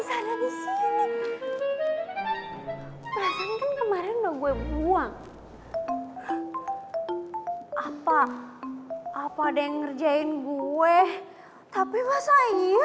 sinyaknya mudah mudahan sampai hari ini gue juga nggak digangguin tuh masih dia masih nyanyah